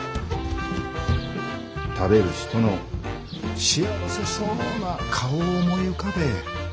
食べる人の幸せそうな顔を思い浮かべえ。